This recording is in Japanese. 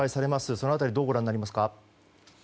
その辺りどうご覧になりますか。